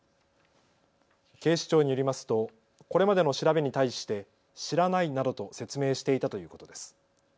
警視庁によりますとこれまでの調べに対して知らないなどと説明していたということです。